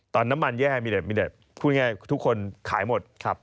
น้ำมันแย่มีแต่มีแต่พูดง่ายทุกคนขายหมด